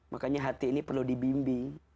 makanya hati ini perlu dibimbing